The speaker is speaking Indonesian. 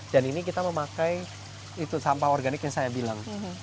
dan ini kita memakai sampah organik yang saya bilang